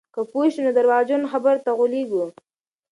که پوه شو، نو درواغجنو خبرو ته غولېږو.